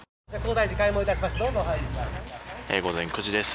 午前９時です。